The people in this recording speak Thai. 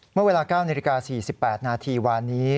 เมื่อเวลา๙๔๘นาทีวานนี้